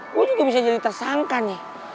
gue juga bisa jadi tersangka nih